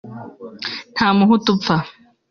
nta muhutu upfa